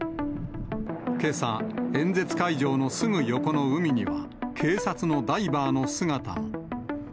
けさ、演説会場のすぐ横の海には、警察のダイバーの姿も。